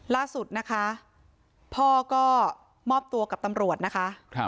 ล่าสุดนะคะพ่อก็มอบตัวกับตำรวจนะคะ